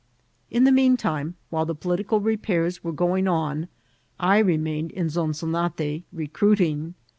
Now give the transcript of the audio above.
In the mean time, while the political repairs were go« ing on, I remaified in Zonzonate recruiting.